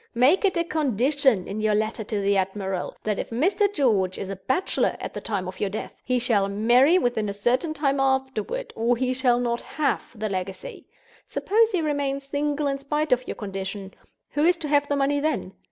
Make it a condition, in your letter to the admiral, that if Mr. George is a bachelor at the time of your death, he shall marry within a certain time afterward, or he shall not have the legacy. Suppose he remains single in spite of your condition, who is to have the money then?